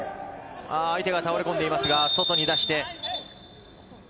相手が倒れ込んでいますが、外に出して。